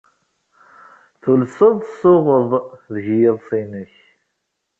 Tulsed tsuɣed deg yiḍes-nnek.